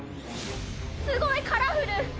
すごいカラフル。